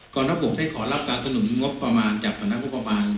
กรทบกได้ขอรับการสนุนงบประมาณจากสำนักงบประมาณ